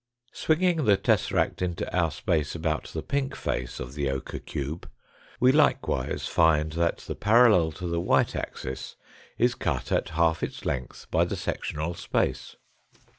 Swinging the tesseract into our space about the pink face of the ochre cube we likewise find that the parallel to the white axis is cut at half its length by the sectional space.